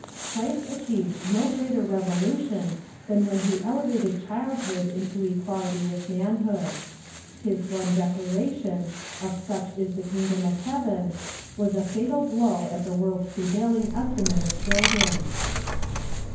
Christ achieved no greater revolution than when he elevated childhood into equality with manhood. His one dec laration: "Of such is the kingdom of heaven," was a fatal blow at the world's i)revailing estimate of children.